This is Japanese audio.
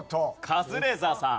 カズレーザーさん。